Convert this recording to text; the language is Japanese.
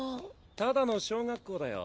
ただの小学校だよ。